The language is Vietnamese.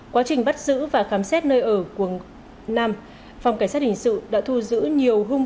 quá trình bắt giữ và khám xét nơi ở quần nam phòng cảnh sát hình sự đã thu giữ nhiều hung